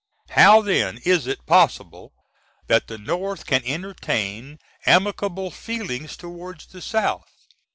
How then is it possible that the North can entertain amicable feelings toward the South?